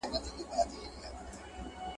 ښوونکي مضمون تشريح کړ او تدريس ترسره سو.